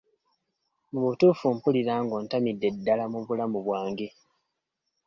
Mu butuufu mpulira nga ontamidde ddala mu bulamu bwange.